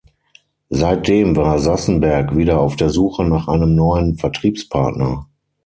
Seitdem war Sassenberg wieder auf der Suche nach einem neuen Vertriebspartner.